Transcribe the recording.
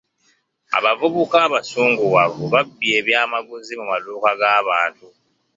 Abavubuka abasunguwavu babbye ebyamaguzi mu maduuka g'abantu.